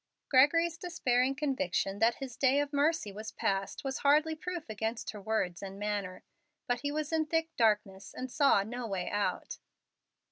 Gregory's despairing conviction that his day of mercy was past was hardly proof against her words and manner, but he was in thick darkness and saw no way out.